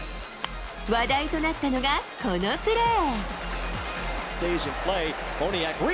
話題となったのが、このプレー。